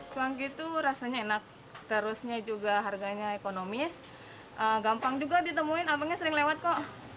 cuangki tuh rasanya enak terusnya juga harganya ekonomis gampang juga ditemuin abangnya sering lewat kok